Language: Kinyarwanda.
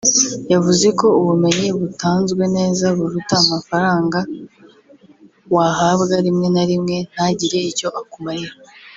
yavuze ko ubumenyi butanzwe neza buruta amafaranga wahabwa rimwe na rimwe ntagire icyo akumarira